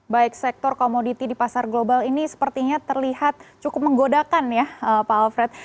baik sektor komoditi di pasar global ini sepertinya terlihat cukup menggodakan ya pak alfred